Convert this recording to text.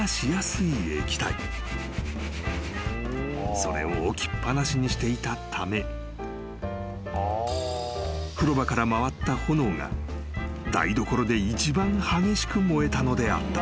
［それを置きっ放しにしていたため風呂場から回った炎が台所で一番激しく燃えたのであった］